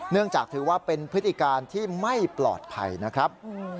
เนื่องจากถือว่าเป็นพฤติการที่ไม่ปลอดภัยนะครับ